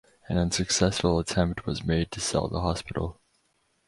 An unsuccessful attempt was made to sell the hospital.